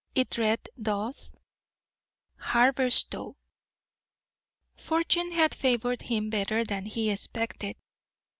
It read thus: HABERSTOW. Fortune had favoured him better than he expected.